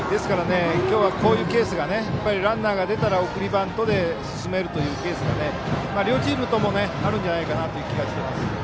今日はこういうケースが送りバントで進めるというケースが両チームともあるんじゃないかなという気がしています。